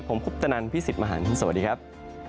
ผมพุทธนันทร์พี่สิทธิ์มหาลสวัสดีครับ